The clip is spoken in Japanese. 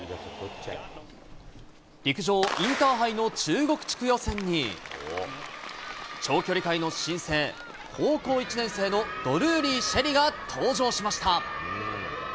陸上インターハイの中国地区予選に長距離界の新星、高校１年生のドルーリー朱瑛里が登場しました。